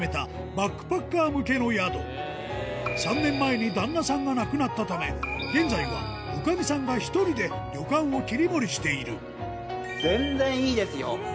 バックパッカー向けの宿３年前に旦那さんが亡くなったため現在は女将さんが１人で旅館を切り盛りしている全然いいですよ。